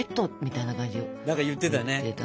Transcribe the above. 何か言ってたね。